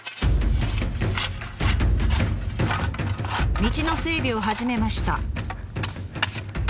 道の整備を始めました。